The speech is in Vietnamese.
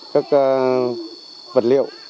các vật liệu